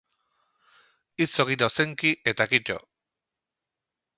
Hitz egin ozenki, eta kito.